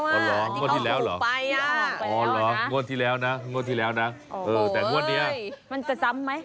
อ๋อเหรองวดที่แล้วเหรอไปอ่ะอ๋อเหรองวดที่แล้วนะงวดที่แล้วนะเออแต่งวดนี้มันจะซ้ำไหม